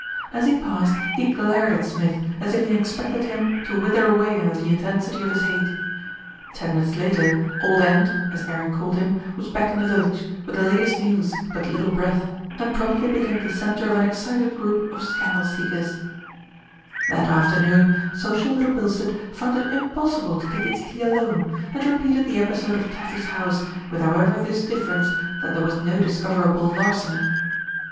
As he passed, he glared at Smith as if he expected him to wither away under the intensity of his hate. Ten minutes later Old End, as Eric called him, was back in the village, with the latest news but little breath, and promptly became the centre of an excited group of scandal seekers. LITTLE BILSTEAD GOES TO CHURCH 173 That afternoon, social Little Bilstead found it im possible to take its tea alone, and repeated the episode of Taffy's house, with however this difference, that there was no discoverable larceny.